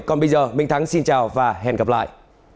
còn bây giờ minh thắng xin chào và hẹn gặp lại